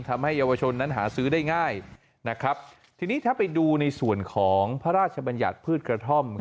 ทำให้เยาวชนนั้นหาซื้อได้ง่ายนะครับทีนี้ถ้าไปดูในส่วนของพระราชบัญญัติพืชกระท่อม